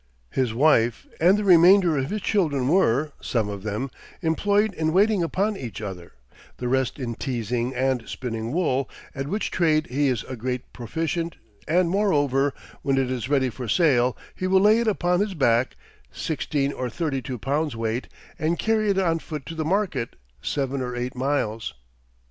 His wife and the remainder of his children were, some of them, employed in waiting upon each other, the rest in teasing and spinning wool, at which trade he is a great proficient; and, moreover, when it is ready for sale, he will lay it upon his back, sixteen or thirty two pounds' weight, and carry it on foot to the market, seven or eight miles."